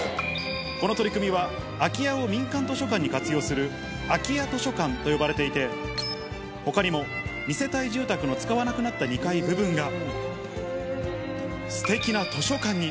この取り組みは、空き家を民間図書館に活用する空き家図書館と呼ばれていて、ほかにも２世帯住宅の使わなくなった２階部分が、すてきな図書館に。